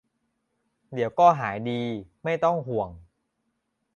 เดี๋ยวก็หายดี ไม่ต้องห่วง